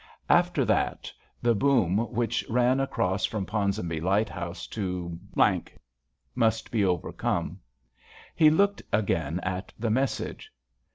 After that, the boom which ran across from Ponsonby Lighthouse to ... must be overcome. He looked again at the message.